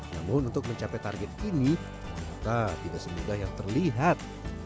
namun untuk mencapai target ini ternyata tidak semudah yang terlihat